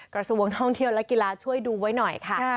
กระทรวงท่องเที่ยวและกีฬาช่วยดูไว้หน่อยค่ะ